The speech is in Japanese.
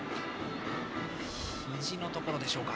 ひじのところでしょうか。